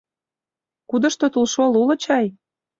Кудышто тулшол уло чай?